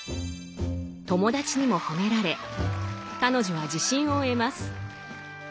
友達にも褒められ彼女は自信を得ます。